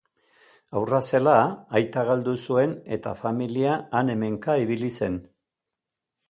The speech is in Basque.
Haurra zela, aita galdu zuen eta familia han-hemenka ibili zen.